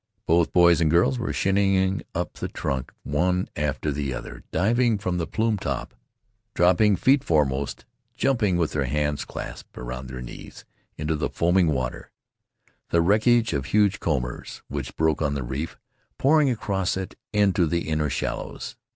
Both boys and girls were shinning up the trunk, one after the other, diving from the plumed top, dropping feet foremost, jumping with their hands clasped around their knees into the foaming water — the wreckage of huge combers which broke on the reef pouring across it into the inner shallows.